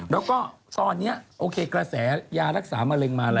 แล้วก็ตอนนี้โอเคกระแสยารักษามะเร็งมาอะไร